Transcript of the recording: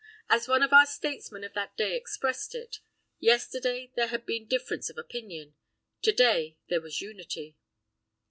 As one of our statesmen of that day expressed it, yesterday there had been difference of opinion, to day there was unity.